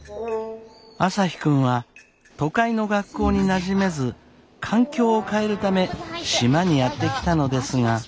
朝陽君は都会の学校になじめず環境を変えるため島にやって来たのですが。